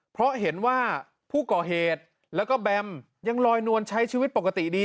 เพราะเห็นว่าผู้ก่อเหตุแล้วก็แบมยังลอยนวลใช้ชีวิตปกติดี